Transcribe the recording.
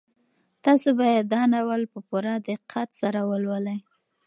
تاسو باید دا ناول په پوره دقت سره ولولئ.